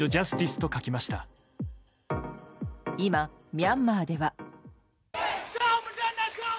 今、ミャンマーでは。